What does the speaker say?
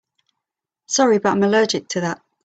Sorry but I'm allergic to that.